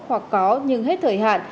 hoặc có nhưng hết thời hạn